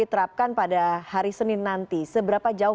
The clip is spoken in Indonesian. travel agent juga sudah